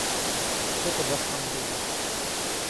Это даст нам время.